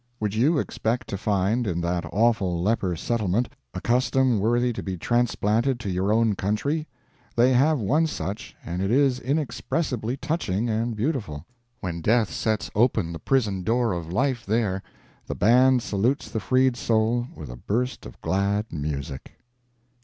Would you expect to find in that awful Leper Settlement a custom worthy to be transplanted to your own country? They have one such, and it is inexpressibly touching and beautiful. When death sets open the prison door of life there, the band salutes the freed soul with a burst of glad music!